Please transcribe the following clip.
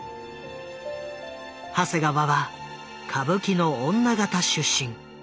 長谷川は歌舞伎の女形出身。